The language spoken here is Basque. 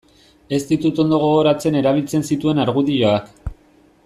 Ez ditut ondo gogoratzen erabiltzen zituen argudioak.